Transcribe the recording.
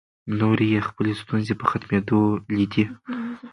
نورې یې خپلې ستونزې په ختمېدو لیدې.